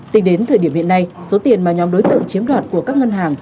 tính đến thời điểm hiện nay số tiền mà nhóm đối tượng chiếm đoạt của các ngân hàng